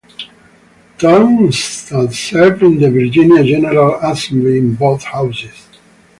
Tunstall served in the Virginia General Assembly in both houses.